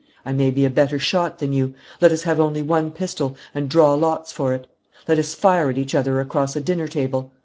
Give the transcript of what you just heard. I may be a better shot than you. Let us have only one pistol, and draw lots for it. Let us fire at each other across a dinner table.